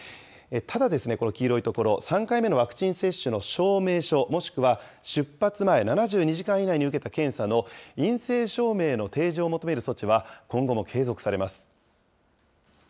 ただですね、この黄色いところ、３回目のワクチン接種の証明書、もしくは出発前７２時間以内に受けた検査の陰性証明の提示を求める措置は今後も継続されます。